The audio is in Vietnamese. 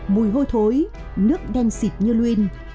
mùi hôi thối nước đen xịt như luyên